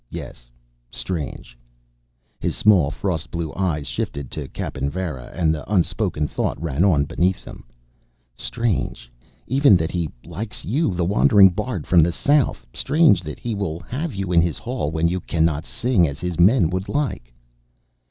Yes, strange " His small frost blue eyes shifted to Cappen Varra, and the unspoken thought ran on beneath them: Strange, even, that he likes you, the wandering bard from the south. Strange, that he will have you in his hall when you cannot sing as his men would like.